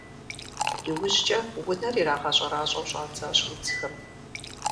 Иужькӏэ унэр ирагъэщӏэращӏэу щӏадзащ удзхэм.